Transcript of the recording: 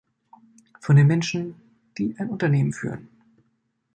Von den Menschen, die ein Unternehmen führen.